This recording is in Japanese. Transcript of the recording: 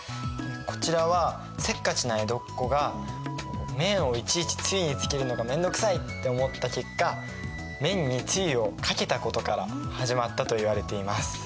こちらはせっかちな江戸っ子が麺をいちいちつゆにつけるのが面倒くさいって思った結果麺につゆをかけたことから始まったといわれています。